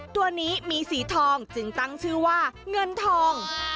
ตัวนี้มีสีทองจึงตั้งชื่อว่าเงินทอง